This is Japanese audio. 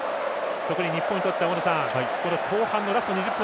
日本にとっては後半のラスト２０分。